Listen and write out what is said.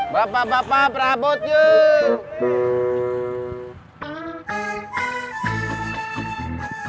bapak bapak prabut yuk